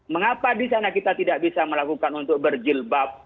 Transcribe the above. mengapa di sana kita tidak bisa melakukan untuk berjilbab